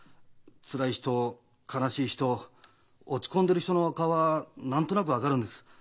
つらい人悲しい人落ち込んでる人の顔は何となく分かるんです。